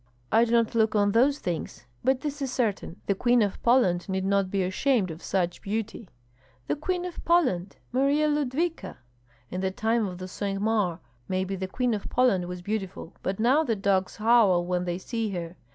"I do not look on those things; but this is certain, the Queen of Poland need not be ashamed of such beauty." "The Queen of Poland? Marya Ludvika? In the time of Cinq Mars maybe the Queen of Poland was beautiful, but now the dogs howl when they see her.